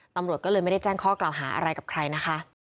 ตำรวจก็เลยไม่ได้แจ้งข้อกล่าวหาอะไรกับใครนะคะ